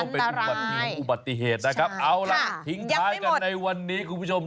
เป็นอุบัติเหตุของอุบัติเหตุนะครับเอาล่ะทิ้งท้ายกันในวันนี้คุณผู้ชม